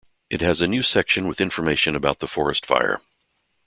It has a new section with information about the forest fire.